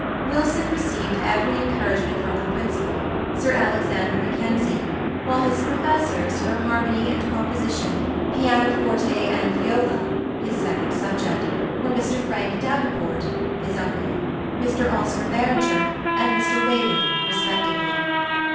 Wilson received every encouragement from the Principal, Sir Alexander Mackenzie, while his professors for harmony and {viii} composition, pianoforte, and viola (his second subject) were Mr Frank Davenport (his uncle), Mr Oscar Beringer, and Mr Walenn, respectively.